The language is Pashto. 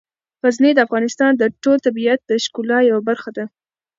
غزني د افغانستان د ټول طبیعت د ښکلا یوه برخه ده.